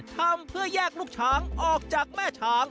ทำเพื่อแยกลูกช้างออกจากแม่ช้าง